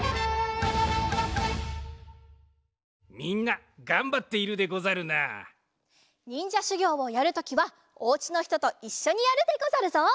みんながんばっているでござるな。にんじゃしゅぎょうをやるときはお家のひとといっしょにやるでござるぞ。